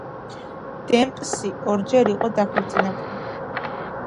დემპსი ორჯერ იყო დაქორწინებული.